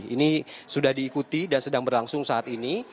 ini sudah diikuti dan sedang berlangsung saat ini